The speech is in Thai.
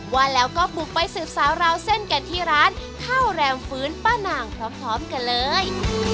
ว่าแล้วก็บุกไปสืบสาวราวเส้นกันที่ร้านข้าวแรมฟื้นป้านางพร้อมกันเลย